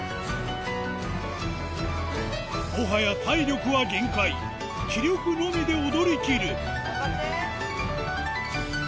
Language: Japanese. もはや体力は限界気力のみで踊りきる頑張って！